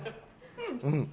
うん。